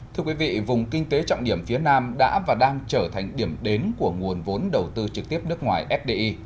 thưa quý vị vùng kinh tế trọng điểm phía nam đã và đang trở thành điểm đến của nguồn vốn đầu tư trực tiếp nước ngoài fdi